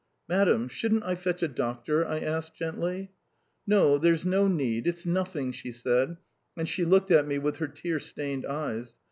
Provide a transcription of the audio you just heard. "Madam, shouldn't I fetch a doctor?" I asked gently. "No, there's no need ... it's nothing," she said, and she looked at me with her tear stained eyes.